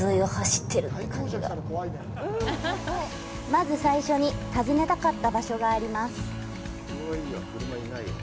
まず最初に訪ねたかった場所があります。